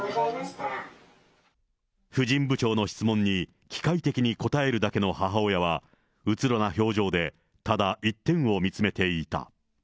婦人部長の質問に機械的に答えるだけの母親は、うつろな表情でただ一点を見つめていた。